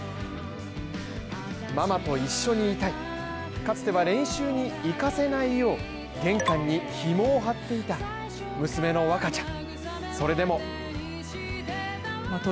ママと一緒にいたい、かつては練習に行かせないよう現金にひもを張っていた娘の和香ちゃん。